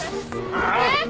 えっ？